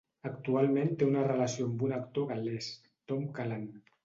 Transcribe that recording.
Actualment té una relació amb un actor gal·lès, Tom Cullen.